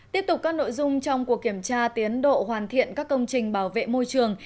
tiếp tục các nội dung trong cuộc kiểm tra tiến độ hoàn thiện các công trình bảo vệ môi trường